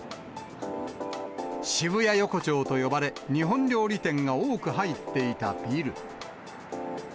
渋谷横丁と呼ばれ、日本料理店が多く入っていたビル。